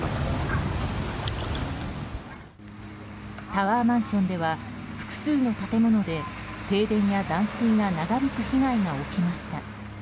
タワーマンションでは複数の建物で停電や断水が長引く被害が起きました。